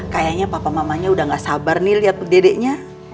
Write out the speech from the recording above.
kayaknya papa mamanya udah gak sabar nih lihat dedeknya